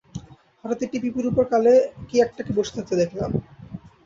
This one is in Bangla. হঠাৎ একটা পিপের উপর কালে কী একটাকে বসে থাকতে দেখলাম।